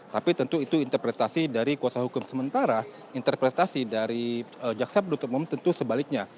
tapi tentu itu interpretasi dari kuasa hukum sementara interpretasi dari jaksa penutup umum tentu sebaliknya